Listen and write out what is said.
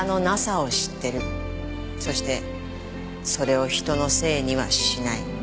そしてそれを人のせいにはしない。